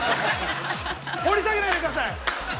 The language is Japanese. ◆掘り下げないでください。